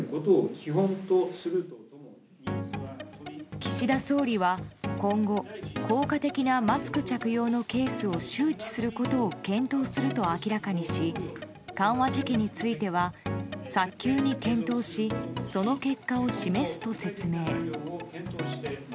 岸田総理は今後効果的なマスク着用のケースを周知することを検討すると明らかにし緩和時期については早急に検討しその結果を示すと説明。